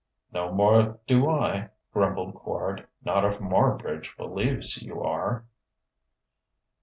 "No more do I," grumbled Quard "not if Marbridge believes you are."